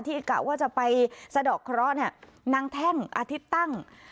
ที่กะว่าจะไปสะดอกเคราะห์เนี่ยนั่งแท่งอาทิตย์ตั้ง